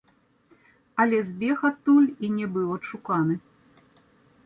Але збег адтуль і не быў адшуканы.